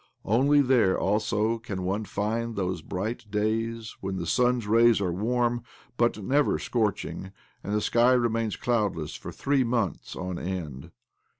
Only there, also, can one find those bright days when the sun's rays are warm, but never scorching, and the sky remains cloudless for three months on end.